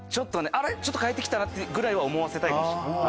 ちょっと変えて来たな！ぐらいは思わせたいかもしれない。